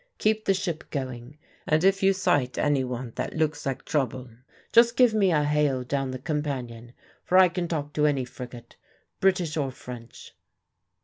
Keep the ship going, and if you sight anyone that looks like trouble just give me a hail down the companion, for I can talk to any frigate, British or French."